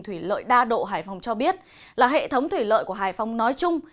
thủy lợi đa độ hải phòng cho biết là hệ thống thủy lợi của hải phòng nói chung